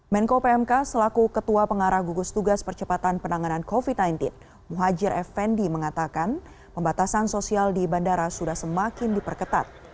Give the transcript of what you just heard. menko pmk selaku ketua pengarah gugus tugas percepatan penanganan covid sembilan belas muhajir effendi mengatakan pembatasan sosial di bandara sudah semakin diperketat